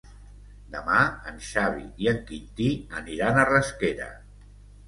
Demà en Xavi i en Quintí aniran a Rasquera.